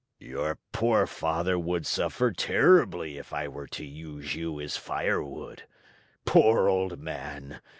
"Your poor father would suffer terribly if I were to use you as firewood. Poor old man!